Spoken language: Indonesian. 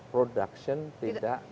production tidak berubah